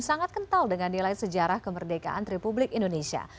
sangat kental dengan nilai sejarah kemerdekaan republik indonesia